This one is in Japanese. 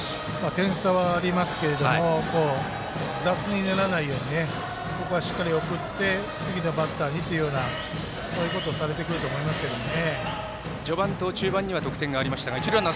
点差はありますけど雑にならないようにここはしっかり送って次のバッターにというようなそういうことをされてくると思いますけどね。